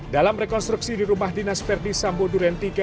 dalam rekonstruksi di rumah dinas verdi sambo duren tiga